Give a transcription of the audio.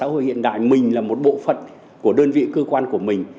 hiện đại mình là một bộ phận của đơn vị cơ quan của mình